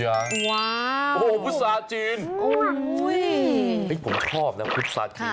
ว้าวโอ้โฮภุษาจีนโอ้โฮนี่ผมชอบนะภุษาจีน